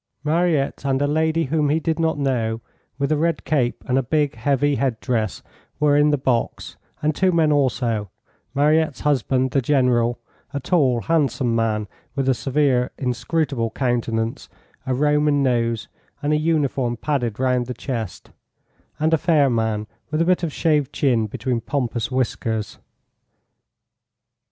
Mariette and a lady whom he did not know, with a red cape and a big, heavy head dress, were in the box, and two men also, Mariette's husband, the General, a tall, handsome man with a severe, inscrutable countenance, a Roman nose, and a uniform padded round the chest, and a fair man, with a bit of shaved chin between pompous whiskers.